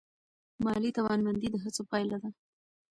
مالي توانمندي د هڅو پایله ده.